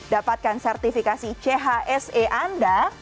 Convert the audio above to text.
dapatkan sertifikasi chse anda